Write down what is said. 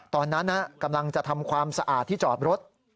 ตอนนั้นกำลังจะทำความสะอาดที่จอดรถ